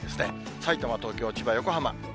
さいたま、東京、千葉、横浜。